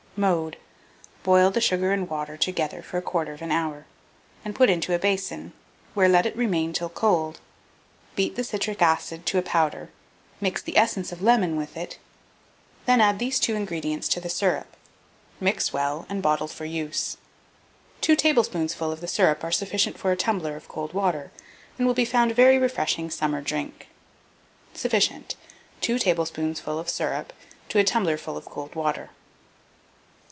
Mode. Boil the sugar and water together for 1/4 hour, and put it into a basin, where let it remain till cold. Beat the citric acid to a powder, mix the essence of lemon with it, then add these two ingredients to the syrup; mix well, and bottle for use. Two tablespoonfuls of the syrup are sufficient for a tumbler of cold water, and will be found a very refreshing summer drink. Sufficient 2 tablespoonfuls of syrup to a tumbler ful of cold water.